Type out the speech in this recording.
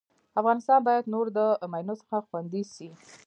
افغانستان بايد نور د مينو څخه خوندي سي